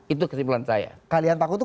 itu kesimpulan saya kalian takut itu